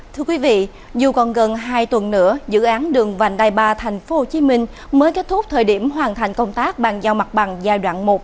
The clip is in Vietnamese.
thưa quý vị dù còn gần hai tuần nữa dự án đường vành đai ba tp hcm mới kết thúc thời điểm hoàn thành công tác bàn giao mặt bằng giai đoạn một